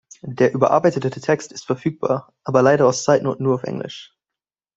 Der überarbeitete Text ist verfügbar, aber leider aus Zeitnot nur auf englisch.